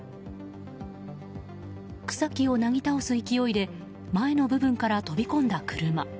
草木をなぎ倒す勢いで前の部分から飛び込んだ車。